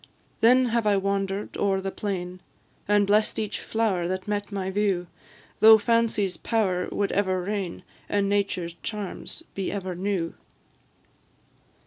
Then have I wander'd o'er the plain, And bless'd each flower that met my view; Thought Fancy's power would ever reign, And Nature's charms be ever new.